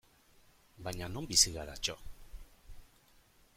Baina non bizi gara, txo!